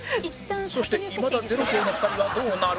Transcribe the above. そしていまだゼロ票の２人はどうなる？